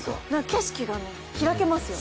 景色が開けますよね。